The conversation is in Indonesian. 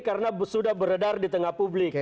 karena sudah beredar di tengah publik